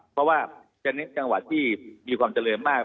เพราะว่าจะเน้นจังหวัดที่มีความเจริญมาก